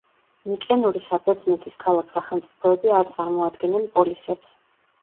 მიკენური საბერძნეთის ქალაქ-სახელმწიფოები არ წარმოადგენენ პოლისებს.